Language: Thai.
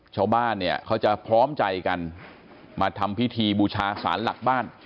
ชาวบ้านเนี่ยเขาจะพร้อมใจกันมาทำพิธีบูชาสารหลักบ้าน